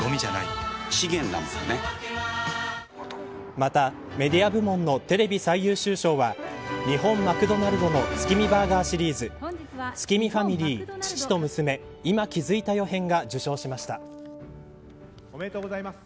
また、メディア部門のテレビ最優秀賞は日本マクドナルドの月見バーガーシリーズ月見ファミリー父と娘いま気づいたよ篇が受賞しました。